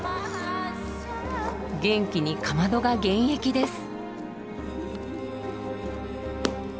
元気にかまどが現役です。